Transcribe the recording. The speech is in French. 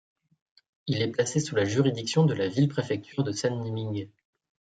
Il est placé sous la juridiction de la ville-préfecture de Sanming.